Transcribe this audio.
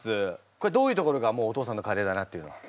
これどういうところがもうお父さんのカレーだなっていうのは？